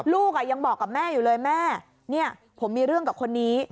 ลูกยังบอกกับแม่อยู่เลยแม่เนี่ยผมมีเรื่องกับคนนี้